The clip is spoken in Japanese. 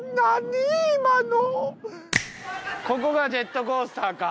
ここがジェットコースターか。